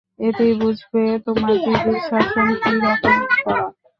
এতেই বুঝবে তোমার দিদির শাসন কিরকম কড়া।